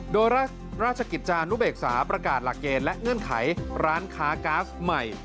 โดยราชกิจจานุเบกษาประกาศหลักเกณฑ์และเงื่อนไขร้านค้าก๊าซใหม่